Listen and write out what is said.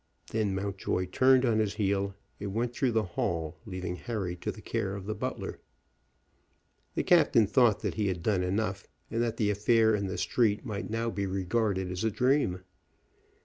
Then Mountjoy turned on his heel, and went through the hall, leaving Harry to the care of the butler. The captain thought that he had done enough, and that the affair in the street might now be regarded as a dream.